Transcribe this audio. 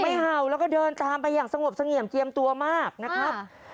เห่าแล้วก็เดินตามไปอย่างสงบเสงี่ยมเจียมตัวมากนะครับ